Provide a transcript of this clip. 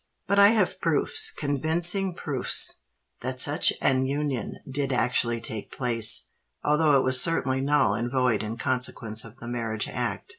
But I have proofs—convincing proofs—that such an union did actually take place, although it was certainly null and void in consequence of the Marriage Act."